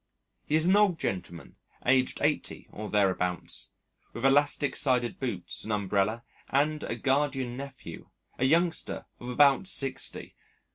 He is an old gentleman aged eighty or thereabouts, with elastic sided boots, an umbrella, and a guardian nephew a youngster of about sixty.